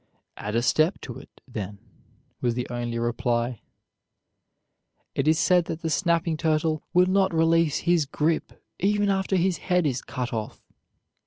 "Add a step to it, then," was the only reply. It is said that the snapping turtle will not release his grip, even after his head is cut off.